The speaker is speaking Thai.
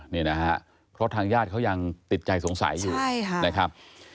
นี่นะฮะเพราะทางญาติเขายังติดใจสงสัยอยู่ใช่ค่ะนะครับ